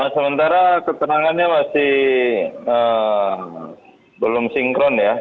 sementara keterangannya masih belum sinkron ya